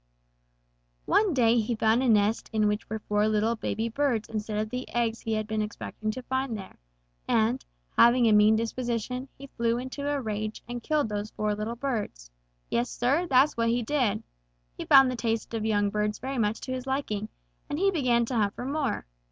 "One day he found a nest in which were four little baby birds instead of the eggs he had been expecting to find there and, having a mean disposition, he flew into a rage and killed those four little birds. Yes, Sir, that's what he did. He found the taste of young birds very much to his liking, and he began to hunt for more.